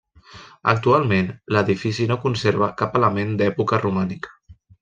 Actualment l'edifici no conserva cap element d'època romànica.